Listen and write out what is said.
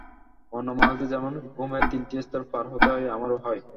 অন্য মানুষদের যেমন ঘুমের তিনটি স্তর পার হতে হয়, আমারও হয়।